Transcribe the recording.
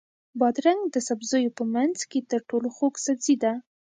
بادرنګ د سبزیو په منځ کې تر ټولو خوږ سبزی ده.